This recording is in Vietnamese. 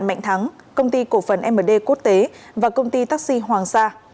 mạnh thắng công ty cổ phần md quốc tế và công ty taxi hoàng sa